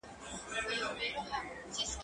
زه اوس درسونه اورم!؟